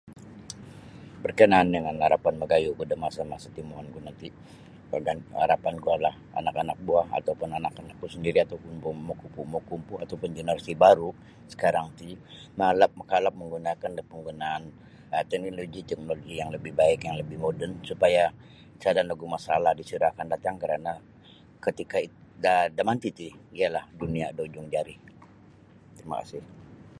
Berkenaan dengan arapan magayuhku da masa-masa timoonku nanti arapanku ialah anak-anak buah atau anak-anakku sendiri atau pun makumpu-makumpu atau jenerasi baru sekarang ti malap makalap menggunakan da panggunaan teknoloji-teknoloji yang lebih baik yang lebih moden supaya sada nogu masalah disiro akan datang kerana ketika it damanti ti ialah dunia da ujung jari terima kasih